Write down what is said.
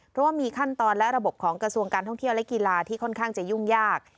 เพราะว่ามีขั้นตอนและระบบของกระทรวงการท่องเที่ยวและกีฬาที่ค่อนข้างจะยุ่งยาก